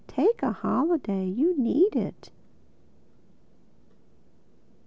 —Take a holiday.... You need it."